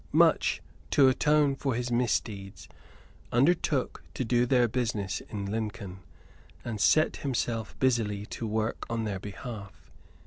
Much, to atone for his misdeeds, undertook to do their business in Lincoln; and set himself busily to work on their behalf.